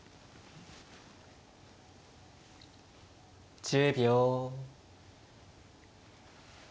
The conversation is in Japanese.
１０秒。